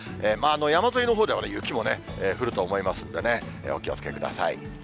山沿いのほうでは雪も降ると思いますんでね、お気をつけください。